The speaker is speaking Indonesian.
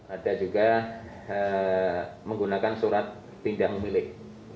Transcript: ada juga menggunakan surat pindah memilih